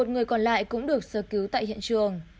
một mươi một người còn lại cũng được sơ cứu tại hiện trường